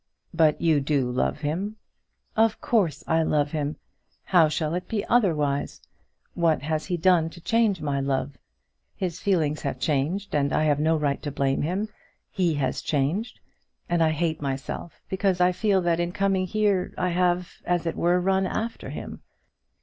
"But you do love him?" "Of course I love him. How shall it be otherwise? What has he done to change my love? His feelings have changed, and I have no right to blame him. He has changed; and I hate myself, because I feel that in coming here I have, as it were, run after him.